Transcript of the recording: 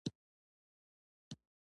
دوه عسکر راغلل او آهنګر ته یې چای ورکړ.